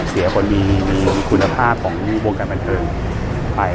เสียคนมีคุณภาพของวงการบันเทิงไป